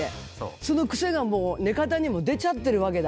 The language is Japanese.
そのクセがもう寝方にも出ちゃってるわけだ。